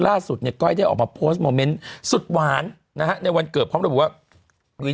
ล่าสุดเนี่ยก้อยได้ออกมาโพสต์โมเมนต์สุดหวานนะฮะในวันเกิดพร้อมระบุว่า